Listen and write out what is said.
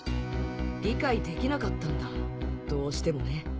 理解できなかったんだどうしてもね。